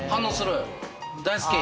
大好き？